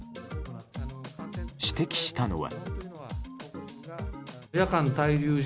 指摘したのは。